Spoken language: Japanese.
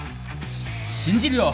信じるよ